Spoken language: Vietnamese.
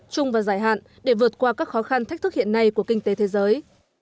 chung và giải hạn để vượt qua các khó khăn thách thức hiện nay của kinh tế thế giới